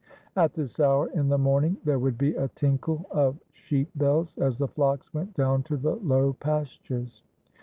At this hour in the morning there would be a tinkle of sheep bells as the flocks went down to the low pastures.